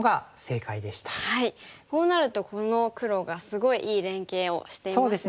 こうなるとこの黒がすごいいい連携をしていますよね。